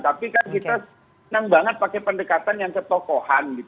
tapi kan kita senang banget pakai pendekatan yang ketokohan